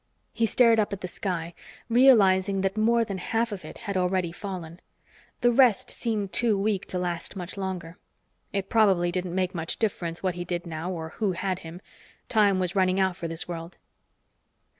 He stared up at the sky, realizing that more than half of it had already fallen. The rest seemed too weak to last much longer. It probably didn't make much difference what he did now or who had him; time was running out for this world.